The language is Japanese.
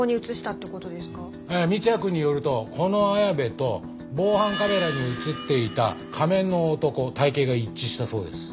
三ツ矢くんによるとこの綾部と防犯カメラに映っていた仮面の男体形が一致したそうです。